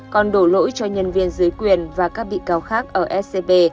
còn đổ lỗi cho nhân viên dưới quyền và các bị cáo khác ở scb